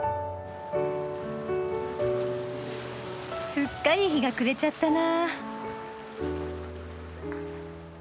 すっかり日が暮れちゃったな。